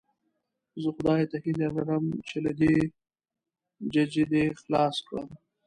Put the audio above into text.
زه خدای ته هیله لرم چې له دې ججې دې خلاص کړم.